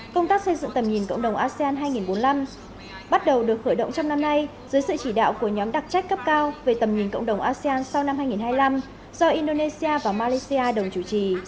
công tác xây dựng tầm nhìn cộng đồng asean hai nghìn bốn mươi năm bắt đầu được khởi động trong năm nay dưới sự chỉ đạo của nhóm đặc trách cấp cao về tầm nhìn cộng đồng asean sau năm hai nghìn hai mươi năm do indonesia và malaysia đồng chủ trì